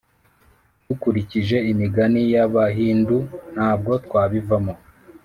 dukurikije imigani y’abahindu ntabwo twabivamo